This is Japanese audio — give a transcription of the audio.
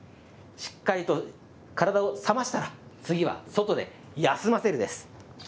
しっかりと体をさましたら、次は外で休ませるです。